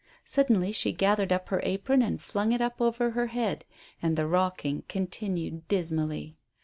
Suddenly she gathered up her apron and flung it up over her head, and the rocking continued dismally.